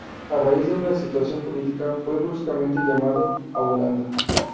A raíz de una situación política fue bruscamente llamado a Holanda.